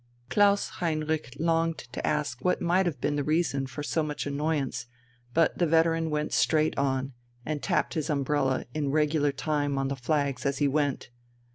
Klaus Heinrich longed to ask what might have been the reason for so much annoyance; but the veteran went straight on (and tapped his umbrella in regular time on the flags as he went).